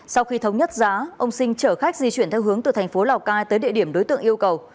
sau khi thống nhất giá ông sinh chở khách di chuyển theo hướng từ thành phố lào cai tới địa điểm đối tượng yêu cầu